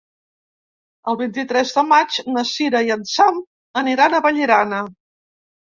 El vint-i-tres de maig na Sira i en Sam aniran a Vallirana.